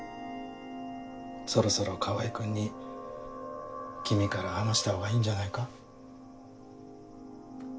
そろそろ川合君に君から話したほうがいいんじゃないか？